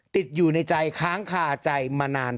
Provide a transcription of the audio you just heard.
ติดอยู่ในใจค้างคาใจมานาน